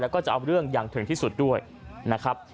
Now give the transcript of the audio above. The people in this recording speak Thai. แล้วก็จะเอาเรื่องอย่างถึงที่สุดด้วยนะครับ